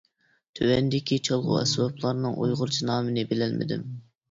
تۆۋەندىكى چالغۇ ئەسۋابلارنىڭ ئۇيغۇرچە نامىنى بىلەلمىدىم.